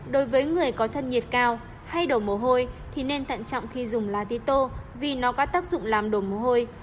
đối với người có thân nhiệt cao hay đổ mồ hôi thì nên tận trọng khi dùng lá tế tô vì nó có tác dụng làm đổ mồ hôi